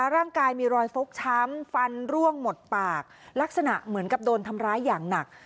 ร่างกายมีรอยฟกช้ำฟันร่วงหมดปากลักษณะเหมือนกับโดนทำร้ายอย่างหนัก